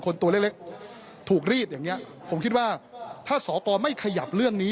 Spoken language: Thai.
ตัวเล็กถูกรีดอย่างเงี้ยผมคิดว่าถ้าสกไม่ขยับเรื่องนี้